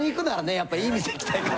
やっぱいい店行きたいから。